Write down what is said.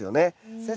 先生